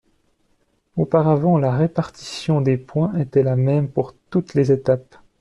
Auparavant, la répartition des points était la même pour toutes les étapes.